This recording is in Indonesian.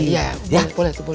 iya boleh boleh